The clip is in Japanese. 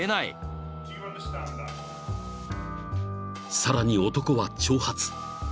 ［さらに男は挑発。